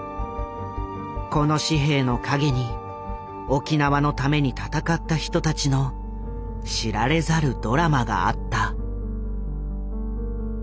この紙幣の陰に沖縄のために闘った人たちの知られざるドラマがあった。